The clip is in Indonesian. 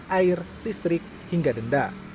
air listrik hingga denda